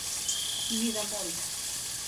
Ni de molt.